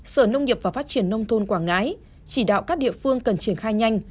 sở nông nghiệp và phát triển nông thôn quảng ngãi chỉ đạo các địa phương cần triển khai nhanh